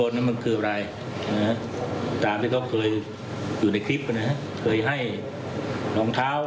ถ้าเขาถือที่พยาน